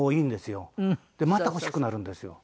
でまた欲しくなるんですよ。